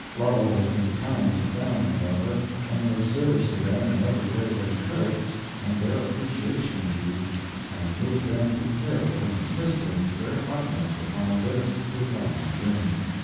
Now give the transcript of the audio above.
Lovell has been kind to the family, however, and of service to them in every way that he could, and their appreciation of these has moved them to care for and assist him to their utmost upon this his last journey.